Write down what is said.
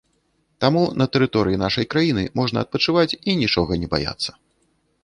Таму на тэрыторыі нашай краіны можна адпачываць і нічога не баяцца.